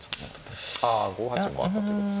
ああ５八もあったってことですかね。